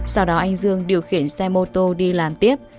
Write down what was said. sau đó anh dương điều khiển xe mô tô đi làm tiếp